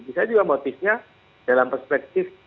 bisa juga motifnya dalam perspektif